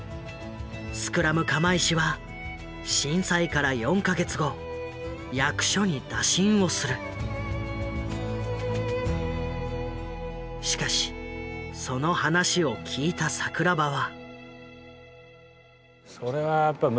スクラム釜石は震災から４か月後しかしその話を聞いた桜庭は。